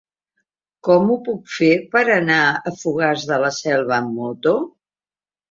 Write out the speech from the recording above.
Com ho puc fer per anar a Fogars de la Selva amb moto?